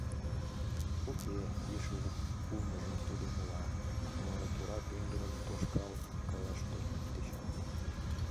Уке, йӱшӧ улмыжым тудо умыла, но тура, пеҥгыдын тошкал каяш тӧча.